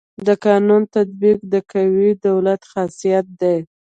د قانون تطبیق د قوي دولت خاصيت دی.